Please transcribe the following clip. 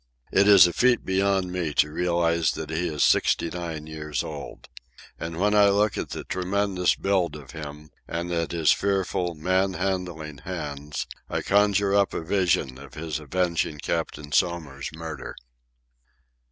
It is a feat beyond me to realize that he is sixty nine years old. And when I look at the tremendous build of him and at his fearful, man handling hands, I conjure up a vision of him avenging Captain Somers's murder.